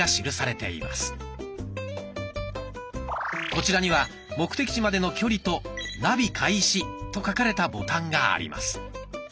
こちらには目的地までの距離と「ナビ開始」と書かれたボタンがあります。